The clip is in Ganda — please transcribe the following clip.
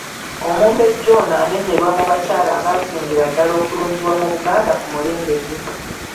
Omumbejja ono amenyerwa mu bakyala abaasingira ddala okulungiwa mu Buganda ku mulembe gwe.